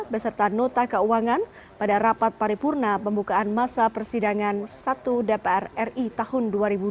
beserta nota keuangan pada rapat paripurna pembukaan masa persidangan i dpr ri tahun dua ribu dua puluh dua dua ribu dua puluh tiga